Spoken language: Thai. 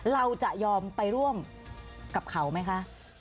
เราจะยอมไปร่วมกับเขาไหมคะ